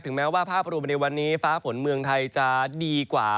แม้ว่าภาพรวมในวันนี้ฟ้าฝนเมืองไทยจะดีกว่า